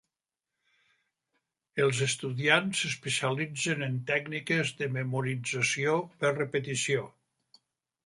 Els estudiants s'especialitzen en tècniques de memorització per repetició.